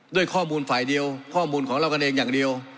ด้วยข้อมูลฝ่ายเดียวข้อมูลของเรากันเองอย่างเดียว